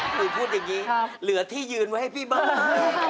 คือพูดอย่างนี้เหลือที่ยืนไว้ให้พี่บ้าง